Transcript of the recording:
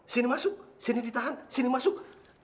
sini masuk sini ditahan sini masuk